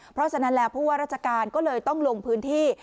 เพราะฉะนั้นแล้วผู้ว่าราชการก็เลยต้องลงพื้นที่